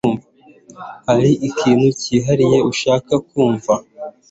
Hari ikintu cyihariye ushaka kumva